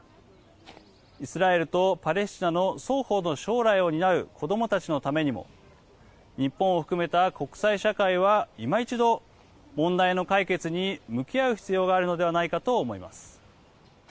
イスラエルとパレスチナの双方の将来を担う子どもたちのためにも日本を含めた国際社会はいま一度問題の解決に向き合う必要があるのではないかと思います。